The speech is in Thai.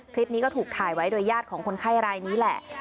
คลิปนี้ก็ถูกถ่ายไว้โดยญาติของคนไข้รายนี้แหละ